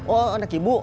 oh anak ibu